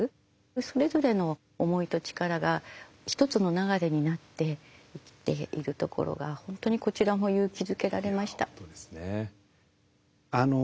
それぞれの思いと力が一つの流れになってできているところが本当にこちらも勇気づけられました。